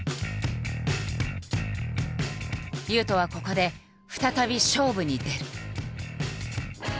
雄斗はここで再び勝負に出る。